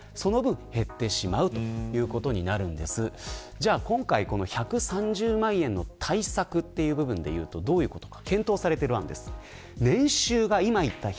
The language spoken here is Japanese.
じゃあ今回この１３０万円の対策という部分でいうとどういうことか。